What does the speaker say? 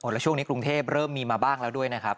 แล้วช่วงนี้กรุงเทพเริ่มมีมาบ้างแล้วด้วยนะครับ